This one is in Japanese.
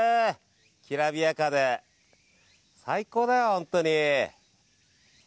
きらびやかで、最高だよ本当に。